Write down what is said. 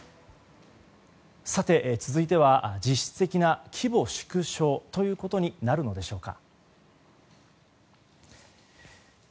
続いては実質的な規模縮小ということになるのでしょうか。